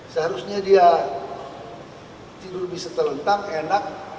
seharusnya dia tidur bisa terlentang enak